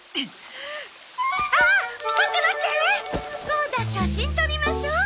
そうだ写真撮りましょう！